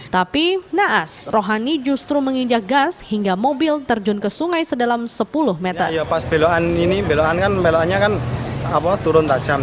tapi naas rohani justru menginjak gas hingga mobil terjun ke sungai sedalam sepuluh meter